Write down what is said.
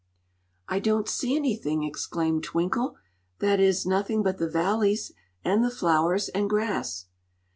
"I don't see anything!" exclaimed Twinkle; "that is, nothing but the valleys and the flowers and grass."